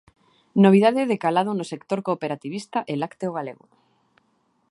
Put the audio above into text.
Novidade de calado no sector cooperativista e lácteo galego.